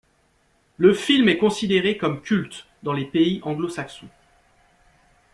Le film est considéré comme culte dans les pays Anglo-Saxons.